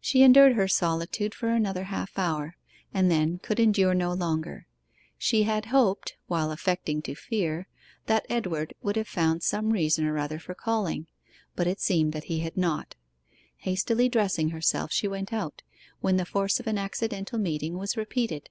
She endured her solitude for another half hour, and then could endure no longer. She had hoped while affecting to fear that Edward would have found some reason or other for calling, but it seemed that he had not. Hastily dressing herself she went out, when the farce of an accidental meeting was repeated.